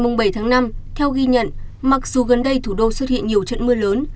ngày bảy tháng năm theo ghi nhận mặc dù gần đây thủ đô xuất hiện nhiều trận mưa lớn